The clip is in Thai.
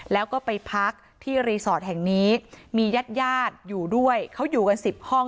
แล้วก็ไปพักที่รีสอร์ทแห่งนี้มีญาติญาติอยู่ด้วยเขาอยู่กันสิบห้อง